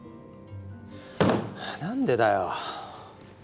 何でだよ。